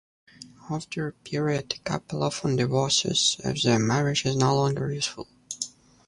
After a period, a couple often divorces if the marriage is no longer useful.